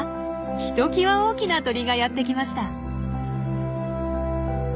ひときわ大きな鳥がやって来ました。